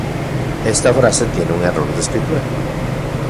Niman nesi amo omimomajpakak.